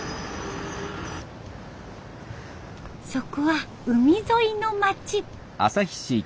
そこは海沿いの町。